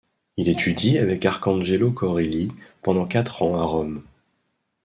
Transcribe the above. Il étudie avec Arcangelo Corelli pendant quatre ans à Rome.